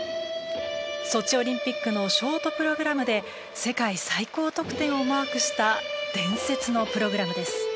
ソチオリンピックのショートプログラムで世界最高得点をマークした伝説のプログラムです。